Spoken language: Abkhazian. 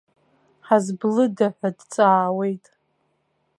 Ҳазблыда ҳәа дҵаауеит!